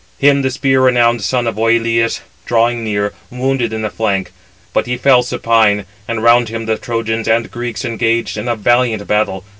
Him the spear renowned son of Oïleus, drawing near, wounded in the flank; but he fell supine, and round him the Trojans and Greeks engaged in a valiant battle.